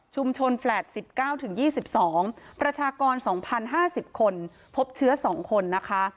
แฟลต๑๙๒๒ประชากร๒๐๕๐คนพบเชื้อ๒คนนะคะ